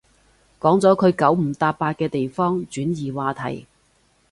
講咗佢九唔搭八嘅地方，轉移話題